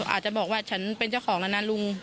อาจจะบอกว่าฉันเป็นเจ้าของแล้วนะลุง